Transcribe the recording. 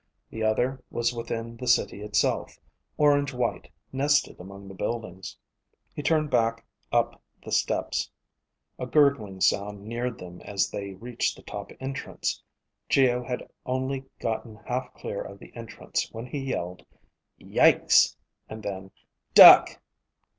The other was within the city itself, orange white, nested among the buildings. He turned back up the steps. A gurgling sound neared them as they reached the top entrance. Geo had only gotten half clear of the entrance when he yelled, "Yikes," and then, "Duck!"